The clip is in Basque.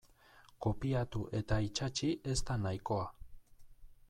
Kopiatu eta itsatsi ez da nahikoa.